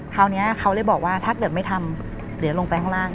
คราวนี้เขาเลยบอกว่าถ้าเกิดไม่ทำเดี๋ยวลงไปข้างล่าง